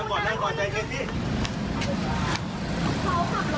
กูเจ็บหมด